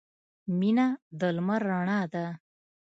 • مینه د لمر رڼا ده.